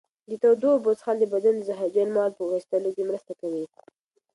د تودو اوبو څښل د بدن د زهرجنو موادو په ویستلو کې مرسته کوي.